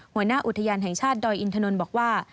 หัวหน้าอุทยานแห่งชาติดอยอินทนนท์บอกว่า